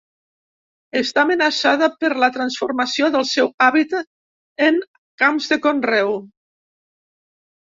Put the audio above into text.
Està amenaçada per la transformació del seu hàbitat en camps de conreu.